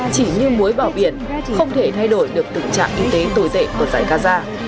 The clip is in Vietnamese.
chỉ như muối bảo biển không thể thay đổi được tình trạng y tế tồi tệ của giải gaza